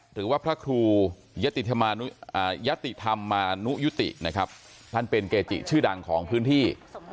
หรือว่าพระครูยติธรรมยติธรรมมานุยุตินะครับท่านเป็นเกจิชื่อดังของพื้นที่